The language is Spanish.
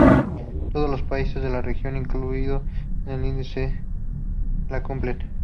Todos los países de la región incluidos en el Índice la cumplen.